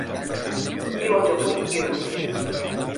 Viu al Japó i Rússia.